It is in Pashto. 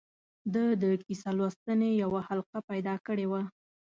ده د کیسه لوستنې یوه حلقه پیدا کړې وه.